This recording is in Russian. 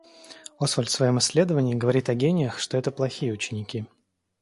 Освальд в своем исследовании говорит о гениях, что это плохие ученики.